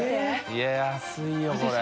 い安いよこれ。